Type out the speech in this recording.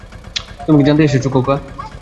তুমি কী জানতে এসেছ, খোকা?